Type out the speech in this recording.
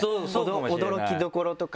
驚きどころとか。